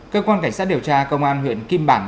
cơ quan cảnh sát điều tra công an huyện kim bảng